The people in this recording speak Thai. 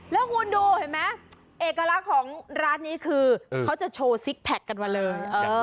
แล้วคุณดูเห็นไหมเอกลักษณ์ของร้านนี้คือเขาจะโชว์ซิกแพคกันมาเลย